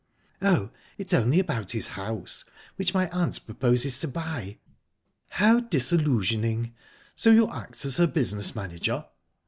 "Oh, it's only about his house, which my aunt proposes to buy." "How disillusioning!...So you act as her business manager?"